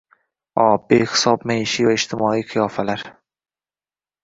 O, behisob maishiy va ijtimoiy qiyofalar!